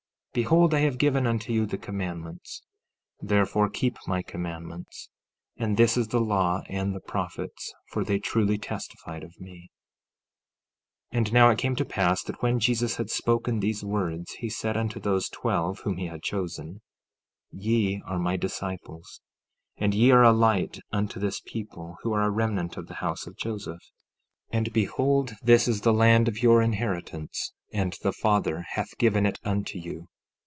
15:10 Behold, I have given unto you the commandments; therefore keep my commandments. And this is the law and the prophets, for they truly testified of me. 15:11 And now it came to pass that when Jesus had spoken these words, he said unto those twelve whom he had chosen: 15:12 Ye are my disciples; and ye are a light unto this people, who are a remnant of the house of Joseph. 15:13 And behold, this is the land of your inheritance; and the Father hath given it unto you.